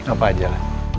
apa aja lah